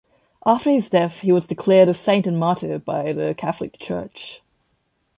After his death he was declared a saint and martyr by the Catholic Church.